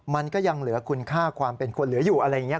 มันก็ยังเหลือคุณค่าความเป็นคนเหลืออยู่อะไรอย่างนี้